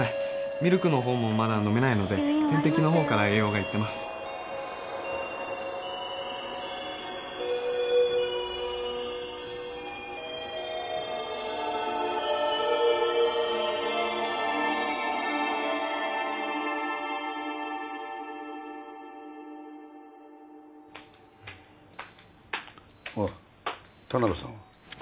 ミルクの方もまだ飲めないので点滴の方から栄養がいってますおい田辺さんは？